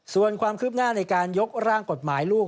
ส่วนความคืบหน้าในการยกร่างกฎหมายลูก